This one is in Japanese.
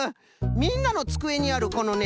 みんなのつくえにあるこのね